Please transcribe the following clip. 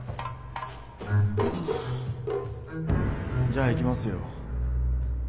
じゃあいきますよ。